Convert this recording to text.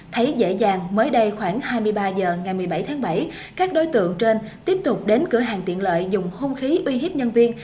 thấy dễ dàng mới đây khoảng hai mươi ba h ngày một mươi bảy tháng bảy các đối tượng trên tiếp tục đến cửa hàng tiện lợi dùng hôn khí uy hiếp nhân viên